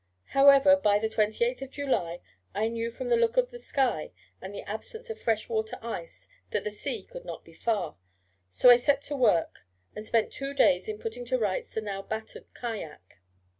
However, by the 28th July I knew from the look of the sky, and the absence of fresh water ice, that the sea could not be far; so I set to work, and spent two days in putting to rights the now battered kayak.